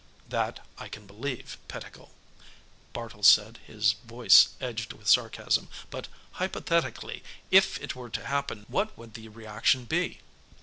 "That, I can believe, Pettigill," Bartle said, his voice edged with sarcasm. "But, hypothetically, if it were to happen, what would the reaction be?"